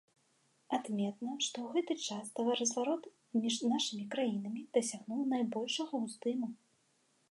Адметна, што ў гэты час таваразварот між нашымі краінамі дасягнуў найбольшага ўздыму.